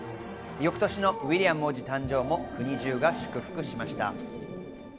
翌年のウィリアム王子の誕生も国中が祝福しました。